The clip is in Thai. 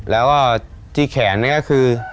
แล้วที่แขนก็คือ